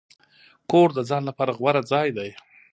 کور د ځان لپاره غوره ځای دی.